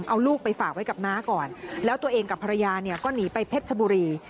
เอาลูกไปฝากไว้กับน้าก่อนแล้วตัวเองกับภรรยาเนี่ยก็หนีไปเพชรชบุรี